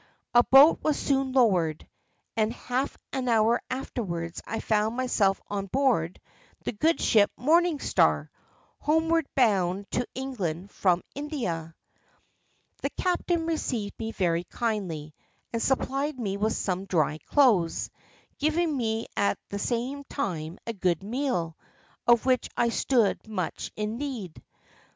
A boat was soon lowered, and half an hour afterwards I found myself on board the good ship Morning Star, homeward bound to England from India. "The captain received me very kindly, and supplied me with some dry clothes, giving me at the same time a good meal, of which I stood much in need.